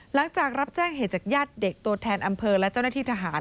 หลังจากรับแจ้งเหตุจากญาติเด็กตัวแทนอำเภอและเจ้าหน้าที่ทหาร